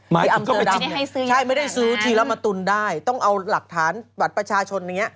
ที่อัมเซอร์ดำเนี่ยใช่ไม่ได้ซื้อทีละมะตุนได้ต้องเอาหลักฐานบัตรประชาชนอย่างนี้